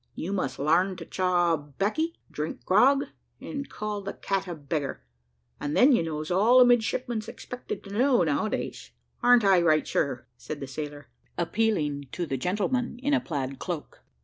You must larn to chaw baccy, drink grog, and call the cat a beggar, and then you knows all a midshipman's expected to know now a days. Arn't I right, sir?" said the sailor, appealing to the gentleman in a plaid cloak.